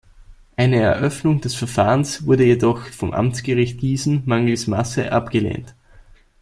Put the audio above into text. Eine Eröffnung des Verfahrens wurde jedoch vom Amtsgericht Gießen mangels Masse abgelehnt.